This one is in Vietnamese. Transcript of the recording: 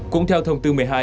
cũng theo thông tư một mươi hai